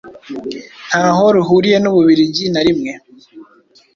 ntaho ruhuriye n’u Bubiligi.narimwe